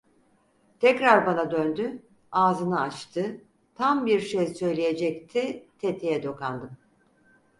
Tekrar bana döndü, ağzını açtı, tam bir şey söyleyecekti, tetiğe dokandım.